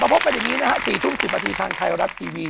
พบกันอย่างนี้นะฮะ๔ทุ่ม๑๐นาทีทางไทยรัฐทีวี